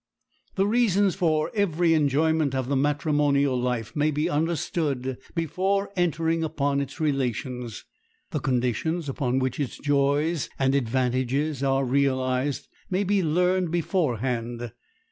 The reasons for every enjoyment of the matrimonial life may be understood before entering upon its relations. The conditions upon which its joys and advantages are realized may be learned beforehand.